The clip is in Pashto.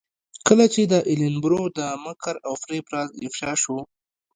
کله چې د ایلن برو د مکر او فریب راز افشا شو.